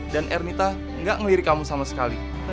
dan ernita nggak ngelirik kamu sama sekali